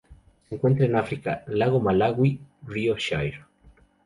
Se encuentran en África: lago Malawi, río Shire.